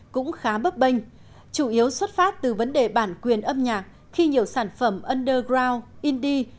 cũng khá bấp bênh chủ yếu xuất phát từ vấn đề bản quyền âm nhạc khi nhiều sản phẩm underground indie